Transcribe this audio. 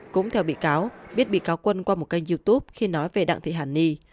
cũng theo bị cáo biết bị cáo quân qua một kênh youtube khi nói về đặng thị hàn ni